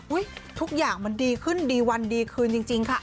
ทุกอย่างมันดีขึ้นดีวันดีคืนจริงค่ะ